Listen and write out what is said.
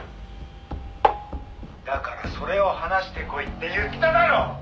「だからそれを話してこいって言っただろ！」